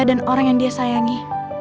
dan orang yang dia sayangi